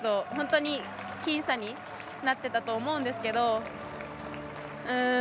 本当に僅差になってたと思うんですけど。